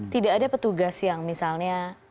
tidak ada petugas yang misalnya